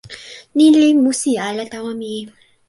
ni li musi ala tawa mi.